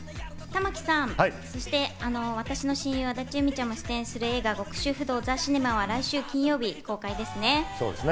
玉木宏さん、そして私の親友・安達祐実ちゃんも出演する映画『極主夫道ザ・シネマ』は来週金曜公開です。